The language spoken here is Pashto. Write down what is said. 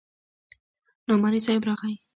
نعماني صاحب راغى.